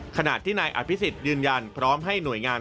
ขณะที่นายอภิษฎยืนยันพร้อมให้หน่วยงาน